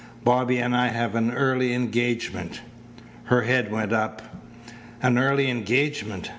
Bobby and I have an early engagement." Her head went up. "An early engagement!